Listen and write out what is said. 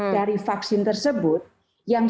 dari vaksin tersebut yang